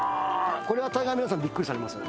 これは大概皆さんビックリされますよ。